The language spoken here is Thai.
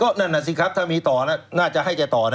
ก็นั่นน่ะสิครับถ้ามีต่อน่ะน่าจะให้กันต่อน่ะ